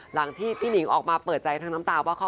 หลังที่พี่หนิงออกมาเปิดใจทั้งน้ำตาว่า